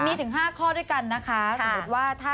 มีถึง๕ข้อด้วยกันนะคะ